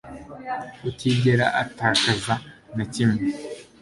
utigera atakaza na kimwe